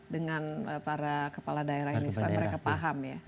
dengan para kepala daerah ini supaya mereka paham ya